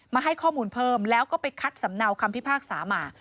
ให้ข้อมูลเพิ่มแล้วก็ไปคัดสำเนาคำพิพากษามา